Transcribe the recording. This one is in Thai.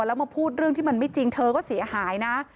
แล้วมาพูดเรื่องที่มันไม่จริงเธอก็เสียหายนะ